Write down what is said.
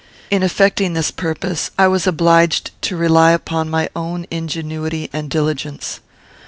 In effecting this purpose, I was obliged to rely upon my own ingenuity and diligence.